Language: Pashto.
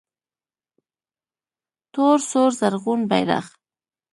تور سور زرغون بیرغ